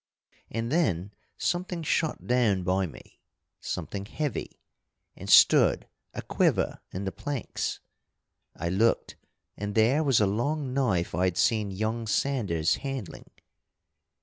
"And then something shot down by me something heavy, and stood a quiver in the planks. I looked, and there was a long knife I'd seen young Sanders handling.